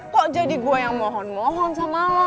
kok jadi gue yang mohon mohon sama allah